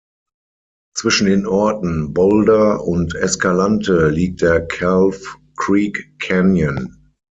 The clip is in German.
Zwischen den Orten Boulder und Escalante liegt der Calf Creek Canyon.